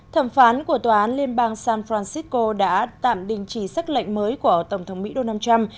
thẩm phán của tòa án liên bang san francisco đã tạm đình chỉ xác lệnh mới của tổng thống mỹ donald trump